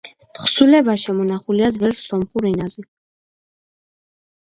თხზულება შემონახულია ძველ სომხურ ენაზე.